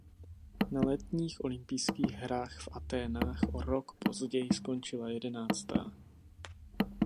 Na letních olympijských hrách v Athénách o rok později skončila jedenáctá.